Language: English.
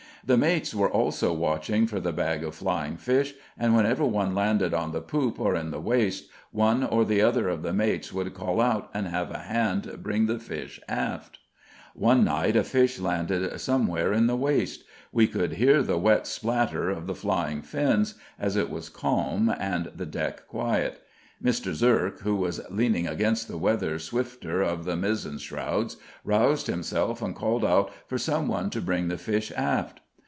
The mates were also watching for the bag of flying fish and whenever one landed on the poop or in the waist, one or the other of the mates would call out and have a hand bring the fish aft. One night a fish landed somewhere in the waist. We could hear the wet splatter of the flying fins, as it was calm and the deck quiet. Mr. Zerk, who was leaning against the weather swifter of the mizzen shrouds, roused himself and called out for someone to bring the fish aft.